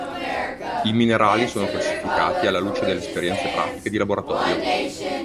I minerali sono classificati alla luce delle esperienze pratiche di laboratorio.